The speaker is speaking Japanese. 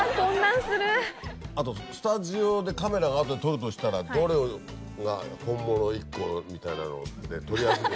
あとスタジオでカメラがあって撮るとしたらどれが本物１個みたいなのって撮りやすい。